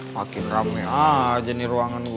makin ramai aja nih ruangan gue